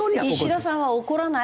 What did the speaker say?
石田さんは怒らない？